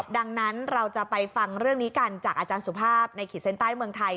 ดังนั้นเราจะไปฟังเรื่องนี้กันจากอาจารย์สุภาพในขีดเส้นใต้เมืองไทย